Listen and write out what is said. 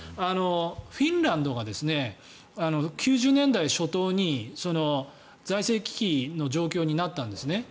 フィンランドが９０年代初頭に財政危機の状況になったんですね。